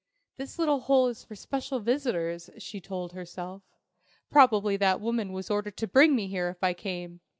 "This little hole is for special visitors," she told herself. "Probably that woman was ordered to bring me here if I came.